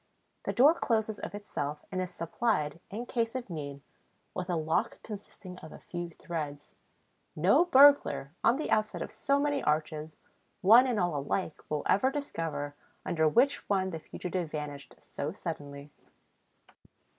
The door closes of itself and is supplied, in case of need, with a lock consisting of a few threads. No burglar, on the outside of so many arches, one and all alike, will ever discover under which one the fugitive vanished so suddenly.